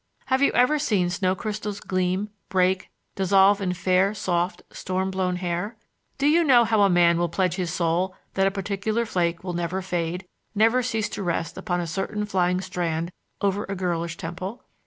Have you ever seen snow crystals gleam, break, dissolve in fair, soft, storm blown hair? Do you know how a man will pledge his soul that a particular flake will never fade, never cease to rest upon a certain flying strand over a girlish temple?